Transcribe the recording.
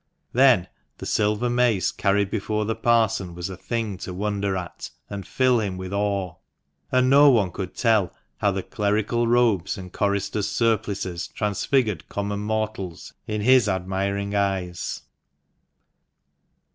Then the silver mace carried before the parson was a thing to wonder at, and fill him with awe ; and no one could tell how the clerical robes, and choristers' surplices, transfigured common mortals in his admiring eyes.